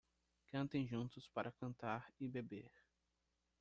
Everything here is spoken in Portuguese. Cantem juntos para cantar e beber